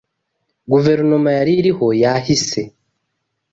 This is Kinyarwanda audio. Guverinoma yari iriho yahise